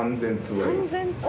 ３，０００粒。